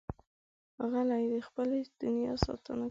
غلی، د خپلې دنیا ساتنه کوي.